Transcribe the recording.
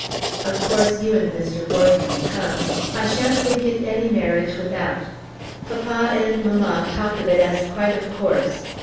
Of course you and Mr. Wharton will come. I shan't think it any marriage without. Papa and mamma talk of it as quite of course.